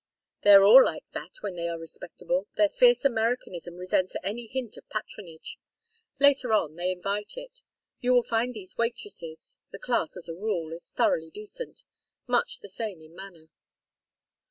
"They are all like that when they are respectable. Their fierce Americanism resents any hint of patronage. Later on they invite it. You will find these waitresses the class, as a rule, is thoroughly decent much the same in manner."